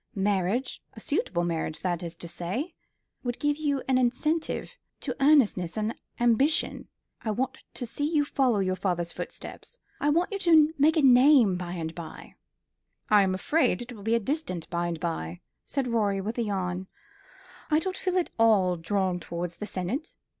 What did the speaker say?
Marriage a suitable marriage, that is to say would give you an incentive to earnestness and ambition. I want to see you follow your father's footsteps; I want you to make a name by and by." "I'm afraid it will be a distant by and by," said Rorie, with a yawn. "I don't feel at all drawn towards the senate.